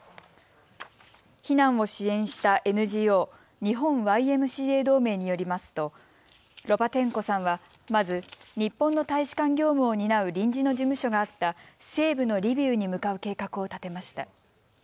避難を支援したＮＧＯ日本ＹＭＣＡ同盟によりますとロパテンコさんはまず、日本の大使館業務を担う臨時の事務所があった西部のリビウに向かう計画を立てました。